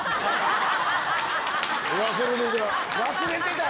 忘れてた！